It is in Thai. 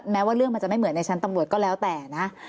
แม้ว่าเรื่องมันจะไม่เหมือนในชั้นตำรวจก็แล้วแต่นะ